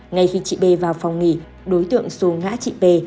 ngay khi chị b vào phòng nghỉ đối tượng xù ngã chị b